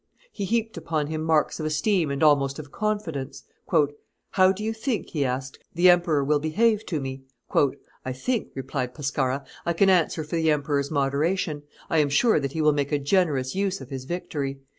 He heaped upon him marks of esteem and almost of confidence. "How do you think," he asked, "the emperor will behave to me?" "I think," replied Pescara, "I can answer for the emperor's moderation; I am sure that he will make a generous use of his victory.